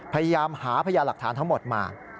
พยายามหาพยาหลักฐานทั้งหมดมา